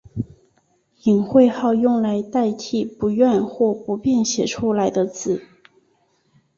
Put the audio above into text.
隐讳号用来代替不愿或不便写出来的字。